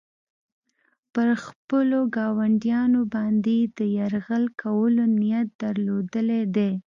پر خپلو ګاونډیانو باندې یې د یرغل کولو نیت درلودلی دی.